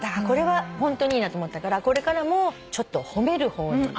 これはホントにいいなって思ったからこれからもちょっと褒める方に。